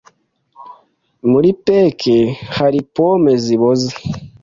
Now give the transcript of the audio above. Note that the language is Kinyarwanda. Muri peke hari pome ziboze.